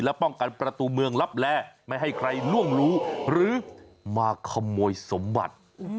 ป้องกันประตูเมืองลับแลไม่ให้ใครล่วงรู้หรือมาขโมยสมบัติ